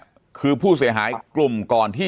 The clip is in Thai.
จนถึงปัจจุบันมีการมารายงานตัว